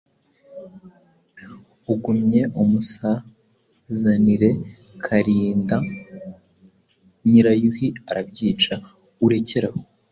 Ugumye umusazanire Kalinga Nyirayuhi arabyica, urekere aho